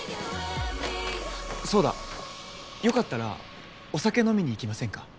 そうだよかったらお酒飲みに行きませんか？